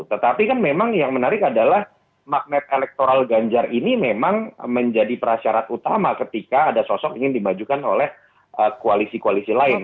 tetapi kan memang yang menarik adalah magnet elektoral ganjar ini memang menjadi prasyarat utama ketika ada sosok ingin dimajukan oleh koalisi koalisi lain